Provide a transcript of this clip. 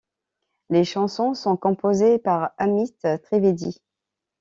Les chansons sont composées par Amit Trivedi.